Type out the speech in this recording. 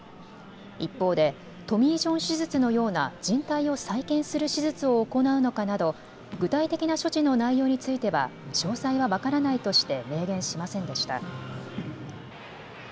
一方でトミー・ジョン手術のようなじん帯を再建する手術を行うのかなど具体的な処置の内容については詳細は分からないとして明言しませんでした。